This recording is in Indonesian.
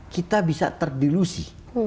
kita bisa terdilusi